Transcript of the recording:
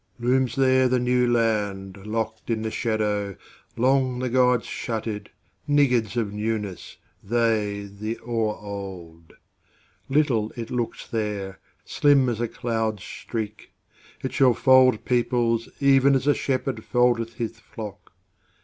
Looms there the New Land:Locked in the shadowLong the gods shut it, Niggards of newnessThey, the o'er old. Little it looks there, Slim as a cloud streak; It shall fold peoplesEven as a shepherdFoldeth his flock.